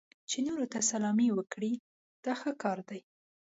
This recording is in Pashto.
چې نورو ته سلامي وکړئ دا ښه کار دی.